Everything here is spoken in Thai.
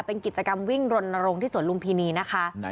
เป็นกิจกรรมวิ่งรณรงค์ที่สวนลุมพินีนะคะ